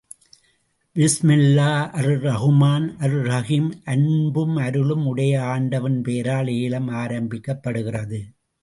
பிஸ்மில்லா அர்ரஹ்மான் அர்ரஹீம் அன்பும் அருளும் உடைய ஆண்டவனின் பெயரால் ஏலம் ஆரம்பிக்கப்படுகிறது.